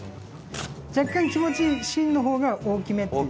若干気持ち芯の方が大きめっていう。